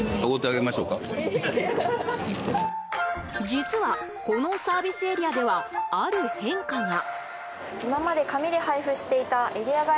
実は、このサービスエリアではある変化が。